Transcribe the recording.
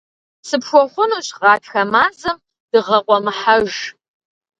Сыпхуэхъунущ гъатхэ мазэм дыгъэ къуэмыхьэж.